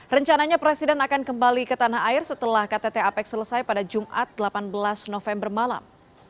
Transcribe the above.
rencananya presiden akan kembali ke tanah air setelah ktt apec selesai pada jumat delapan belas november malam